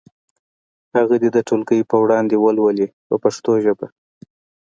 هغه دې د ټولګي په وړاندې ولولي په پښتو ژبه.